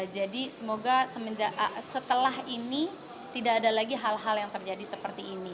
jadi semoga setelah ini tidak ada lagi hal hal yang terjadi seperti ini